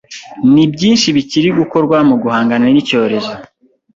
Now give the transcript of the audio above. nibyinshi bikiri gukorwa muguhangana nicyorezo